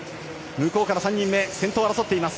向こうから３人目先頭を争っています。